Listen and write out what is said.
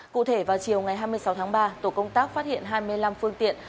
cụ thể vào chiều ngày hai mươi sáu tháng ba tổ công tác phát hiện hai mươi năm phương tiện